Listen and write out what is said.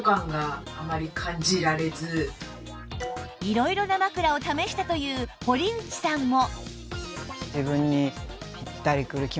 色々な枕を試したという堀内さんも